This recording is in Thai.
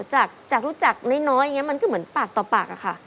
จากรู้จักน้อยมันคือเหมือนปากต่อปากอะค่ะ